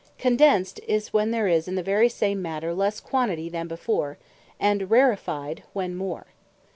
Condensed, is when there is in the very same Matter, lesse Quantity than before; and Rarefied, when more.